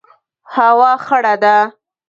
هوا خړه ده